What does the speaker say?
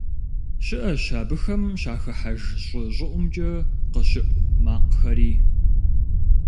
Щыӏэщ абыхэм щахыхьэж щӏы щӏыӏумкӏэ къыщыӏу макъхэри.